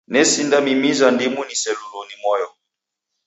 Nesindamimiza ndimu niselulo ni moyo.